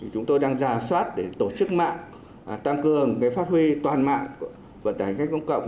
chúng tôi đang giả soát để tổ chức mạng tăng cường phát huy toàn mạng vận tải hành khách công cộng